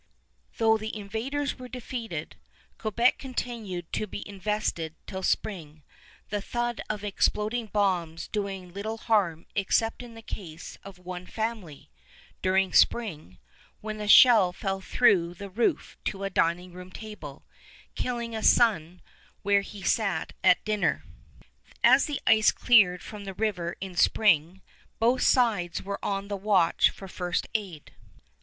Though the invaders were defeated, Quebec continued to be invested till spring, the thud of exploding bombs doing little harm except in the case of one family, during spring, when a shell fell through the roof to a dining room table, killing a son where he sat at dinner. As the ice cleared from the river in spring, both sides were on the watch for first aid.